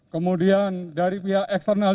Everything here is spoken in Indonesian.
kemudian dari pihak eksternal